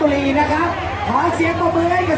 ขอบคุณมากนะคะแล้วก็แถวนี้ยังมีชาติของ